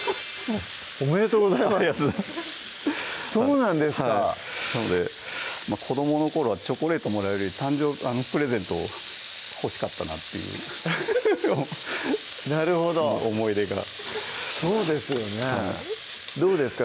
おめでとうございますありがとうございますそうなんですかはいなので子どもの頃はチョコレートもらうより誕生日プレゼントを欲しかったなっていうなるほどそうですよねどうですか？